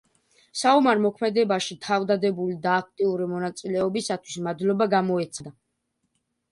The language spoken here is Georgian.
საომარ მოქმედებაში თავდადებული და აქტიური მონაწილეობისათვის მადლობა გამოეცხადა.